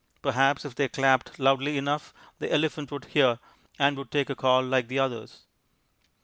Perhaps if they clapped loudly enough, the elephant would hear, and would take a call like the others.